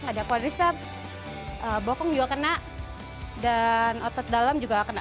ada quadryceps bokong juga kena dan otot dalam juga kena